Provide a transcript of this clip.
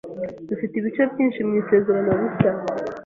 dufite ibice byinshi mu Isezerano Rishya